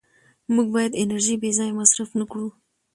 موږ باید انرژي بېځایه مصرف نه کړو